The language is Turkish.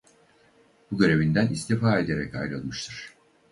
Bu görevinden istifa ederek ayrılmıştır.